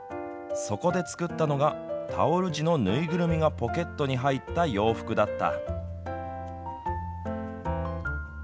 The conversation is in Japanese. そこで作ったのがタオル地の縫いぐるみがポケットに入った洋服だった。